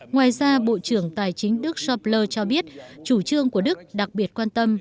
ngoài ra bộ trưởng tài chính đức shopler cho biết chủ trương của đức đặc biệt quan tâm